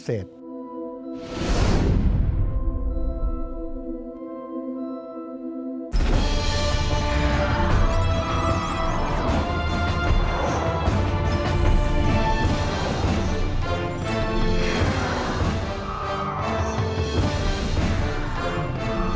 สวัสดีครับ